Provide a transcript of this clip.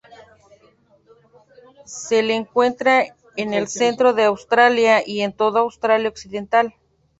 Se le encuentra en el centro de Australia y en todo Australia Occidental.